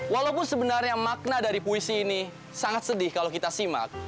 walaupun sebenarnya makna dari puisi ini sangat sedih kalau kita simak